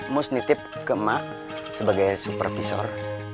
mus nitip ke emak sebagai supervisor